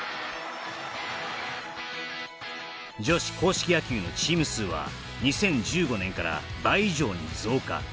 女子硬式野球のチーム数は２０１５年から倍以上に増加